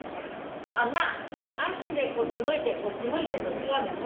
あんな足でこっち向いてこっち向いてと違うねん。